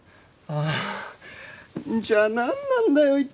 ああじゃあなんなんだよ！？